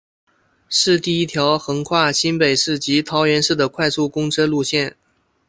是第一条横跨新北市及桃园市的快速公车路线。